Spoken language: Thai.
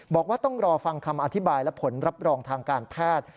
บอกว่าต้องรอฟังคำอธิบายและผลรับรองทางการแพทย์